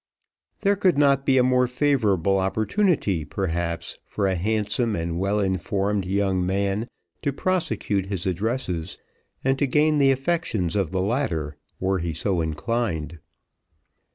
There could not be a more favourable opportunity, perhaps, for a handsome and well informed young man to prosecute his addresses and to gain the affections of the latter, were he so inclined.